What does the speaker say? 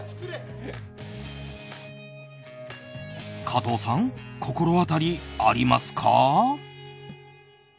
加藤さん心当たりありますか？